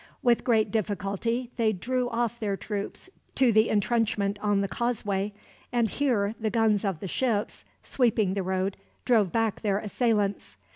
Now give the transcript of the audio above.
With great difficulty they drew off their troops to the entrenchment on the causeway, and here the guns of the ships, sweeping the road, drove back their assailants.